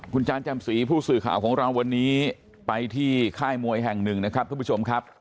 คุณจานจำศรีผู้สื่อข่าวของเราวันนี้ไปที่ค่ายมวยแห่งหนึ่งนะครับทุกผู้ชมครับ